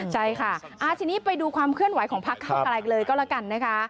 ใช่ค่ะทีนี้ไปดูความเคลื่อนไหวของพักเก้าไกลเลยก็แล้วกันนะคะ